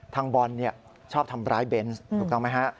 ทางบอลชอบทำร้ายเบนส์ถูกต้องไหมฮะ